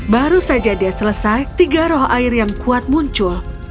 baru saja dia selesai tiga roh air yang kuat muncul